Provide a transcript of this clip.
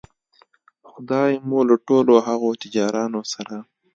خدای مو له ټولو هغو تجارانو سره